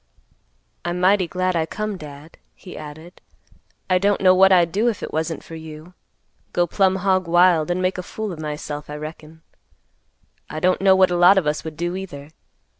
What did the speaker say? "I'm mighty glad I come, Dad," he added; "I don't know what I'd do if it wasn't for you; go plumb hog wild, and make a fool of myself, I reckon. I don't know what a lot of us would do, either.